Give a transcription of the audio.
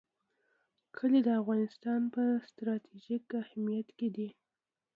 کلي د افغانستان په ستراتیژیک اهمیت کې دي.